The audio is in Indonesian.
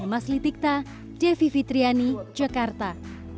mas litikta devi fitriani jakarta